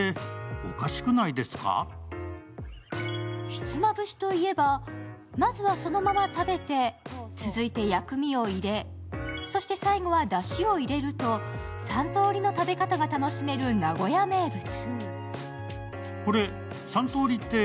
ひつまぶしといえば、まずは、そのまま食べて、続いて薬味を入れ、そして最後はだしを入れると３通りの食べ方が楽しめる名古屋名物。